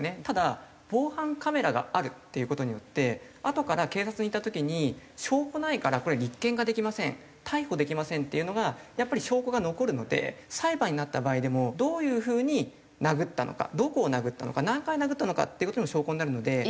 ただ防犯カメラがあるっていう事によってあとから警察に行った時に証拠ないからこれは立件ができません逮捕できませんっていうのがやっぱり証拠が残るので裁判になった場合でもどういう風に殴ったのかどこを殴ったのか何回殴ったのかっていう事の証拠になるので。